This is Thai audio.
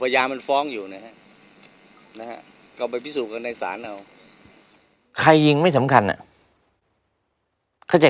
ยังต้องรอเขาว่าแค่เพียงพกพาถือไป